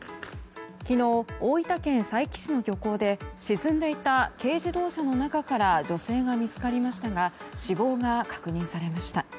昨日、大分県佐伯市の漁港で沈んでいた軽自動車の中から女性が見つかりましたが死亡が確認されました。